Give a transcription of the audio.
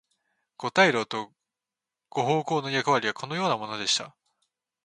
五大老と五奉行の役割はこのようなものでした。